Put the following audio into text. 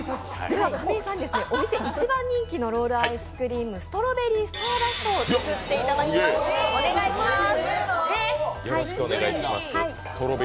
今日は、お店一番人気のロールアイス、ストロベリースターダストを作っていただきます、お願いします。